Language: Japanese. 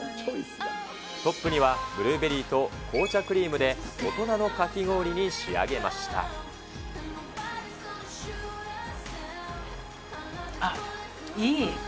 トップにはブルーベリーと紅茶クリームで大人のかき氷に仕上げまあっ、いい。